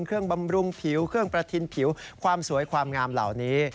บำรุงผิวเครื่องประทินผิวความสวยความงามเหล่านี้